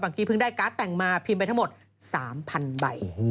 กี้เพิ่งได้การ์ดแต่งมาพิมพ์ไปทั้งหมด๓๐๐๐ใบ